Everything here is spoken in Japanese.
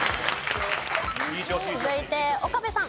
続いて岡部さん。